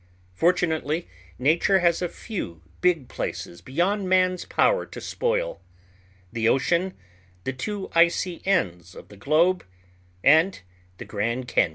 Fortunately, nature has a few big places beyond man's power to spoil—the ocean, the two icy ends of the globe, and the Grand Cañon.